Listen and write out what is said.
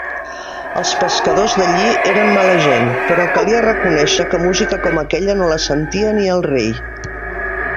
Els pescadors d'allí eren mala gent, però calia reconèixer que música com aquella no la sentia ni el rei.